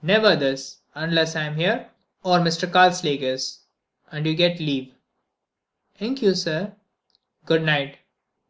Never this, unless I am here—or Mr. Karslake is—and you get leave." "'Nk you, sir." "Good night."